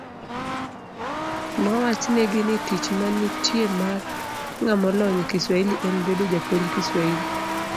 Nowachnigi ni tich manitie mar ng'amolony e Kiswahili en bedo japuonj Kiswahili.